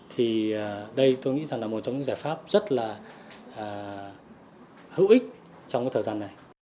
thì đây tôi nghĩ rằng là một trong những giải pháp rất là hữu ích trong cái thời gian này